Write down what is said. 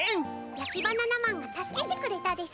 焼きバナナマンが助けてくれたです。